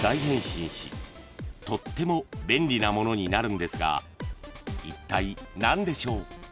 ［とっても便利なものになるんですがいったい何でしょう？］